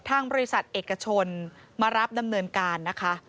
ทางบริษัทเอกชนมารับดำเนินการนะคะ